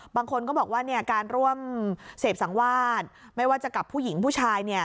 บางคนก็บอกว่าการร่วมเสพสังวาสไม่ว่าจะกับผู้หญิงผู้ชาย